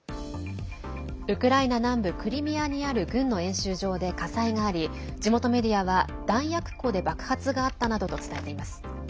ウクライナ南部クリミアにある軍の演習場で１９日、火災があり地元メディアは弾薬庫で爆発があったなどと伝えています。